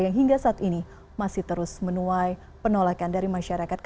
yang hingga saat ini masih terus menuai penolakan dari masyarakat